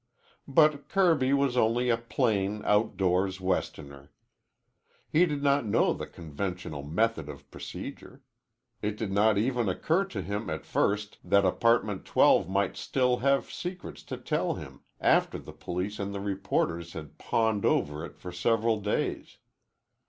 But Kirby was only a plain, outdoors Westerner. He did not know the conventional method of procedure. It did not even occur to him at first that Apartment 12 might still have secrets to tell him after the police and the reporters had pawed over it for several days.